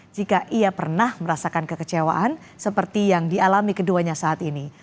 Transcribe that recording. jika ia pernah merasakan kekecewaan seperti yang dialami keduanya saat ini